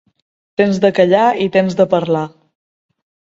Temps de callar i temps de parlar.